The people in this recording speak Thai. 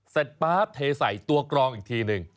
ป๊าบเทใส่ตัวกรองอีกทีหนึ่ง